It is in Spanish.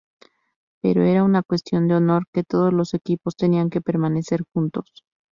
Pero era una cuestión de honor que todos los equipos tenían que permanecer juntos.